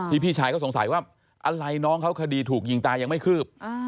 พี่ชายเขาสงสัยว่าอะไรน้องเขาคดีถูกยิงตายยังไม่คืบ